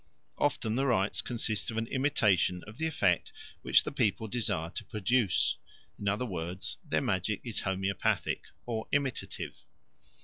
Often the rites consist of an imitation of the effect which the people desire to produce; in other words, their magic is homoeopathic or imitative.